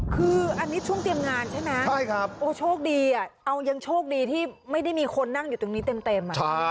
คืออันนี้ช่วงเตรียมงานใช่ไหมโอ้โชคดียังโชคดีที่ไม่ได้มีคนนั่งอยู่ตรงนี้เต็ม